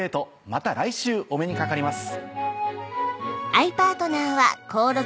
また来週お目にかかります。